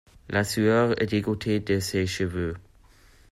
La sueur dégouttait de ses cheveux.